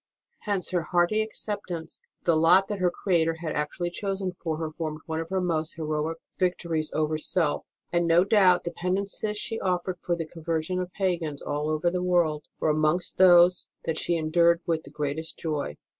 Hence her hearty acceptance of the lot that her Creator had actually chosen for her formed one of her most heroic victories over self; and no doubt the penances she offered for the conver sion of pagans all over the world were amongst those that she endured with the greatest joy.